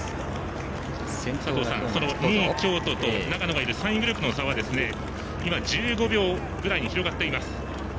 佐藤さん、２位、京都と長野がいる３位グループの差は１５秒ぐらいに広がっています。